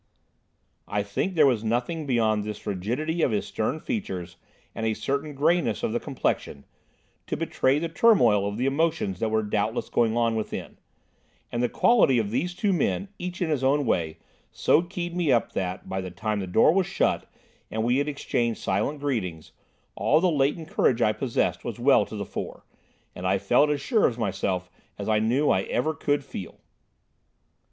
I think there was nothing beyond this rigidity of his stern features, and a certain greyness of the complexion, to betray the turmoil of the emotions that were doubtless going on within; and the quality of these two men, each in his own way, so keyed me up that, by the time the door was shut and we had exchanged silent greetings, all the latent courage I possessed was well to the fore, and I felt as sure of myself as I knew I ever could feel.